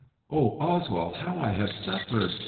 Oh, Oswald, how I have suffered